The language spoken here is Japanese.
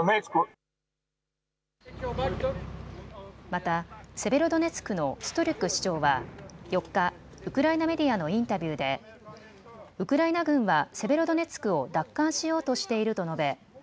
またセベロドネツクのストリュク市長は４日、ウクライナメディアのインタビューでウクライナ軍はセベロドネツクを奪還しようとしていると述べ